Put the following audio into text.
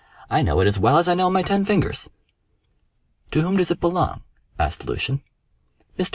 I know it as well as I know my ten fingers." "To whom does it belong?" asked Lucian. "Mr.